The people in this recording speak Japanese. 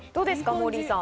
モーリーさん。